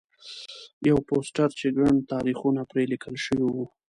یو پوسټر چې ګڼ تاریخونه پرې لیکل شوي وو.